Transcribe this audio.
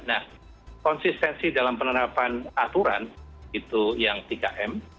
nah konsistensi dalam penerapan aturan itu yang tiga m